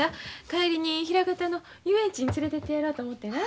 帰りに枚方の遊園地に連れていってやろうと思てな。